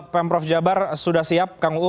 pemprov jabar sudah siap kang uu